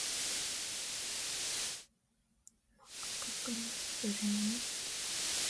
幕閣の利れ者